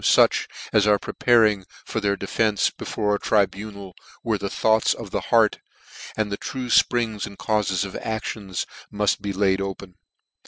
from fuch as are preparing for their defence be fore a tribunal, where the thoughts of' the heart, and the true fprings and caufes of actions muft be laid open.'